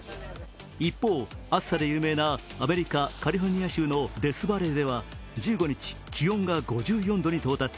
一方、暑さで有名なアメリカ・カリフォルニア州のデスバレーでは１５日、気温が５４度に到達。